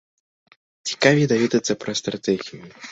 Цікавей даведацца пра стратэгію.